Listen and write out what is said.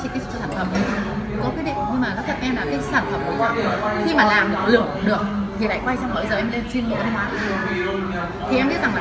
chị làm với một cái tấm thùng chứ không phải bạn chị làm đấy cho mọi người